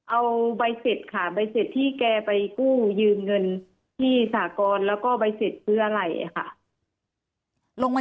เอ่อใบเศษใบเศษที่แกไปกู้ยืนเงินที่สากรและใบเศษเพื่ออะไรค่ะ